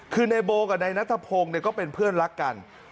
คือในโบกับนายนัทพงศ์ก็เป็นเพื่อนรักกัน